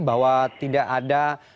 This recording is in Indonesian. bahwa tidak ada